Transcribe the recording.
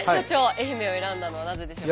愛媛を選んだのはなぜでしょう？